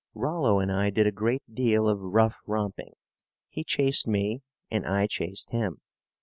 Rollo and I did a great deal of rough romping. He chased me and I chased him.